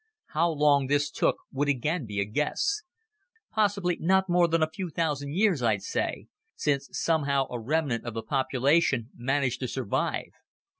How long this took would again be a guess. Possibly not more than a few thousand years, I'd say, since somehow a remnant of the population managed to survive.